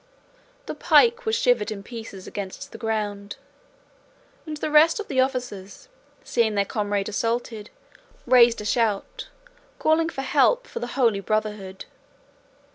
The pike was shivered in pieces against the ground, and the rest of the officers, seeing their comrade assaulted, raised a shout, calling for help for the Holy Brotherhood.